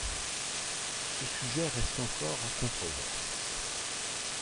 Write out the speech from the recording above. Ce sujet reste encore à controverse.